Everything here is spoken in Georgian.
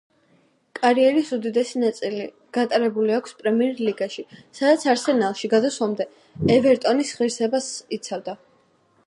კარიერის უდიდესი ნაწილი გატარებული აქვს პრემიერ ლიგაში, სადაც არსენალში გადასვლამდე ევერტონის ღირსებას იცავდა.